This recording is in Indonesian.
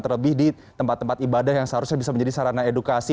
terlebih di tempat tempat ibadah yang seharusnya bisa menjadi sarana edukasi